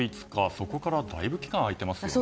そこからだいぶ期間が空いてますよね。